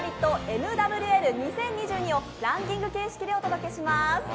ＭＷＬ２０２２」をランキング形式でお届けします。